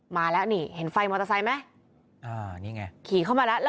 มาแล้วนี่เห็นไฟมอเตอร์ไซค์ไหมอ่านี่ไงขี่เข้ามาแล้วแล้ว